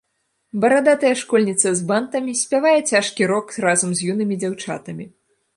Барадатая школьніца з бантамі спявае цяжкі рок разам з юнымі дзяўчатамі.